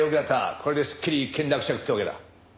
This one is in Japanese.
これですっきり一件落着ってわけだ。